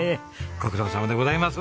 ご苦労さまでございます。